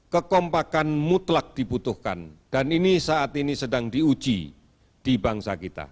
kekompakan mutlak dibutuhkan dan ini saat ini sedang diuji di bangsa kita